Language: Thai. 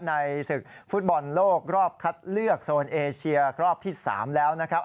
ในศึกฟุตบอลโลกรอบคัดเลือกโซนเอเชียรอบที่๓แล้วนะครับ